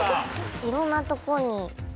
いろんなとこに。